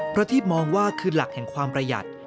ที่มองว่าคือหลักแห่งความประหยัด